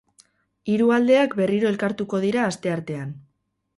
Hiru aldeak berriro elkartuko dira asteartean.